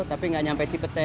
tapi gak nyampe cipete